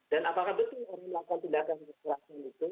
berapa orang membaca cerita sdn nenggolan